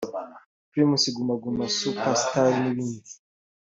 Primus Guma Guma Super Star n’ibindi